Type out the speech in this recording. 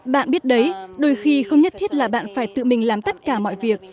bạn biết đấy đôi khi không nhất thiết là bạn phải tự mình làm tất cả mọi việc